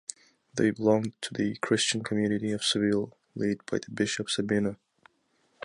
They belonged to the Christian community of Seville, lead by the bishop Sabino.